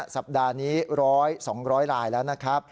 สัปดาห์นี้๒๐๐รายแล้ว